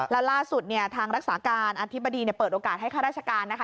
แล้วล่าสุดเนี่ยทางรักษาการอธิบดีเปิดโอกาสให้ข้าราชการนะคะ